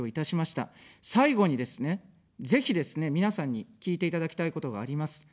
最後にですね、ぜひですね、皆さんに聞いていただきたいことがあります。